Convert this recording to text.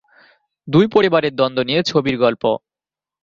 দুই পরিবারের দ্বন্দ্ব নিয়ে ছবির গল্প।